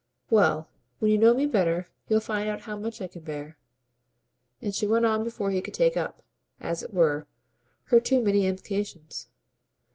"Well, when you know me better you'll find out how much I can bear." And she went on before he could take up, as it were, her too many implications.